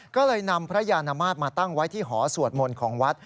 ก็เลยนำพระยานมาตรมาตั้งไว้ที่หอสวดมนต์ของวัด